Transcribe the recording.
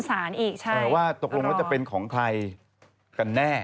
อีกใช่ว่าตกลงแล้วจะเป็นของใครกันแน่